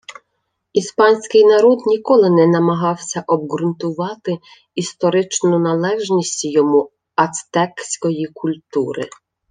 Іспанський народ ніколи не намагався обҐрунтувати історичну належність йому ацтекської культури